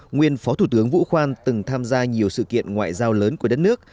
nguyên phó thủ tướng vũ khoan từng tham gia nhiều sự kiện ngoại giao lớn của đất nước